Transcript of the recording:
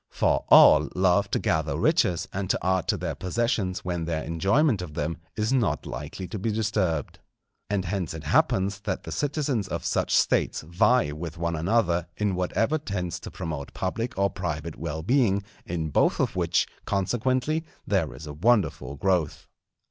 For all love to gather riches and to add to their possessions when their enjoyment of them is not likely to be disturbed. And hence it happens that the citizens of such States vie with one another in whatever tends to promote public or private well being; in both of which, consequently, there is a wonderful growth.